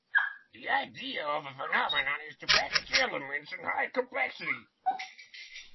The idea of a Phenomenon is to package elements and hide complexity.